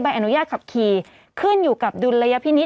ผู้ต้องหาที่ขับขี่รถจากอายานยนต์บิ๊กไบท์